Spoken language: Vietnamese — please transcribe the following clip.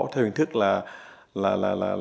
theo hình thức là hạch toán kinh doanh được